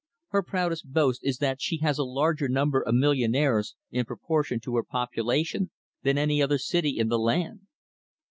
Her proudest boast is that she has a larger number of millionaires in proportion to her population than any other city in the land.